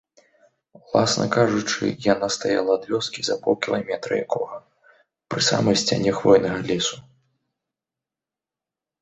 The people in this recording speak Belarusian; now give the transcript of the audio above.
Уласна кажучы, яна стаяла ад вёскі за паўкіламетра якога, пры самай сцяне хвойнага лесу.